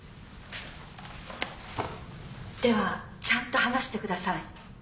ではちゃんと話してください。